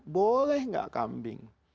boleh tidak kambing